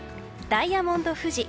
ダイヤモンド富士。